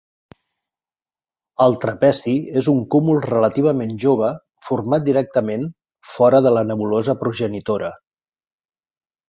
El trapezi és un cúmul relativament jove format directament fora de la nebulosa progenitora.